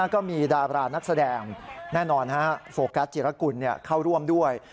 ก็มีดารานักแสดงแน่นอนโฟกัสจิรกุลเข้าร่วมด้วย